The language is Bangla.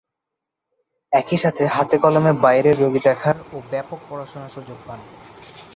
একই সাথে হাতে কলমে বাইরের রোগী দেখার ও ব্যাপক পড়াশুনার সুযোগ পান।